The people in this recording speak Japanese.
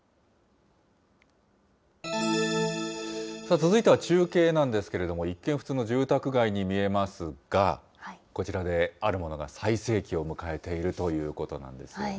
続いては中継なんですけれども、一見、普通の住宅街に見えますが、こちらであるものが最盛期を迎えているということなんですよね。